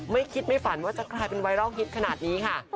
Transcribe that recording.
ไม่คิดไม่ฝันว่าจะกลายเป็นไวรัลฮิตขนาดนี้ค่ะ